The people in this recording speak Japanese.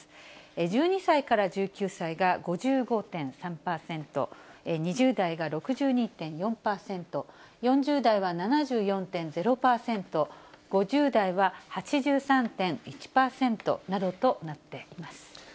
１２歳から１９歳が５５．３％、２０代が６２．４％、４０代は７４．０％、５０代は８３．１％などとなっています。